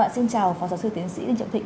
xin chào phó giáo sư tiến sĩ đinh trọng thịnh